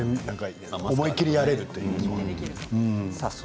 思い切りやれるというのは。